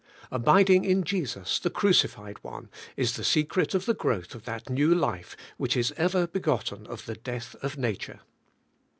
Abid ing in Jesus, the Crucified One, is the secret of the THE CRUCIFIED ONE. 87 growth of that new life which is ever begotten of the death of nature.